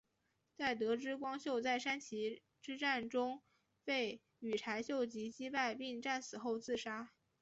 在得知光秀在山崎之战中被羽柴秀吉击败并战死后自杀。